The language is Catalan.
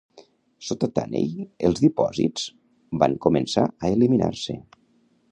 Sota Taney, els dipòsits van començar a eliminar-se.